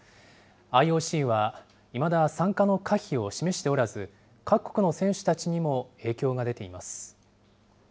ＩＯＣは、いまだ参加の可否を示しておらず、各国の選手たちにも影響が出ています。